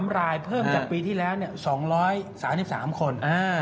๓รายเพิ่มจากปีที่แล้ว๒๓๓คน